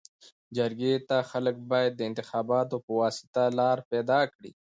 جرګي ته خلک باید د انتخاباتو پواسطه لار پيداکړي.